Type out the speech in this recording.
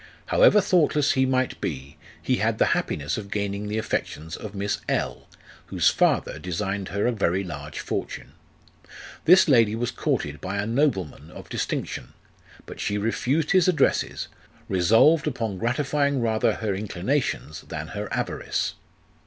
However thoughtless he might be, he had the happiness of gaining the affections of Miss L., whose father designed her a very large fortune. This lady was courted by a nobleman of distinction ; but she refused his addresses, resolved upon gratifying rather her inclinations than her avarice.